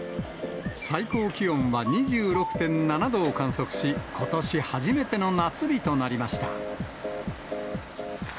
最高気温は２６．７度を観測し、ことし初めての夏日となりました。